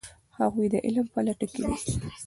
هغوی د علم په لټه کې دي.